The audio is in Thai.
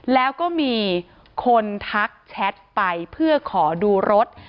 แล้วก็มีคนทักแชทไปเพื่อขอดูรถ